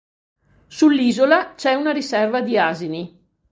Sull'isola c'è una riserva di asini.